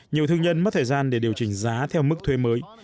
nhiều thương nhân mất thời gian để điều chỉnh giá theo mức thuê mới